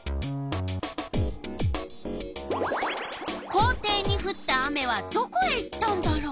校庭にふった雨はどこへ行ったんだろう？